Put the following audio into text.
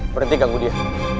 berhenti ganggu dia